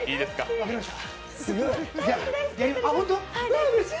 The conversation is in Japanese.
分かりました。